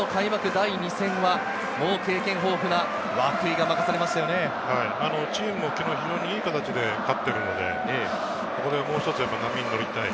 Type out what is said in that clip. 第２戦は、経験豊富な涌井がチームも昨日非常にいい状態で勝っているので、もう一つ波に乗りたい。